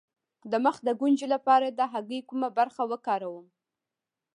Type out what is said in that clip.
د مخ د ګونځو لپاره د هګۍ کومه برخه وکاروم؟